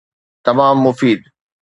تمام مفيد.